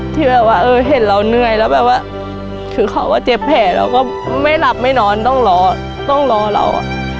ที่แบบว่าเออเห็นเราเหนื่อยแล้วแบบว่าคือเขาก็เจ็บแผลเราก็ไม่หลับไม่นอนต้องรอต้องรอเรา